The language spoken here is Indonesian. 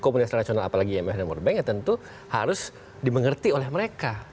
komunitas rasional apalagi imf dan world bank ya tentu harus dimengerti oleh mereka